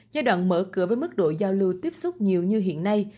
giai đoạn mở cửa với mức độ giao lưu tiếp xúc nhiều như hiện nay